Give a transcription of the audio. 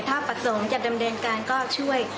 ถ้าปรัชสงฆ์จะแดมเนินการก็ช่วย